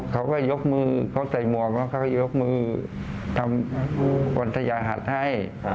เขาก็ยกมือเขาใส่หมวกแล้วเขาก็ยกมือทำวันทยาหัสให้